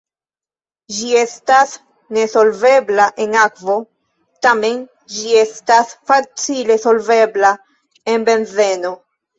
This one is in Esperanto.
Ĝi estas nesolvebla en akvo, tamen ĝi estas facile solvebla en benzeno.